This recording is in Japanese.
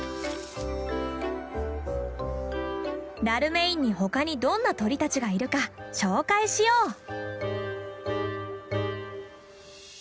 ダルメインに他にどんな鳥たちがいるか紹介しよう！